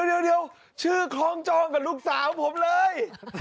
เดี๋ยวชื่อคล้องจองกับลูกสาวผมเลย